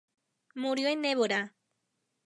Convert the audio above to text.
Murió en Évora.